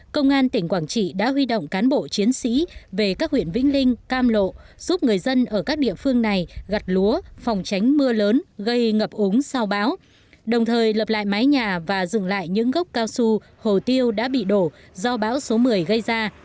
công an tỉnh quảng trị đã huy động cán bộ chiến sĩ về các huyện vĩnh linh cam lộ giúp người dân ở các địa phương này gặt lúa phòng tránh mưa lớn gây ngập úng sau bão đồng thời lập lại mái nhà và dừng lại những gốc cao su hồ tiêu đã bị đổ do bão số một mươi gây ra